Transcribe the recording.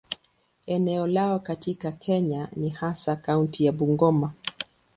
Eneo lao katika Kenya ni hasa kaunti ya Bungoma.